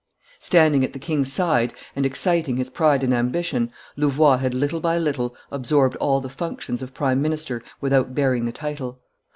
Standing at the king's side and exciting his pride and ambition, Louvois had little by little absorbed all the functions of prime minister without bearing the title.